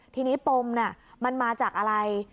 ทีนี้ปมน่ะมันมาจากอะไร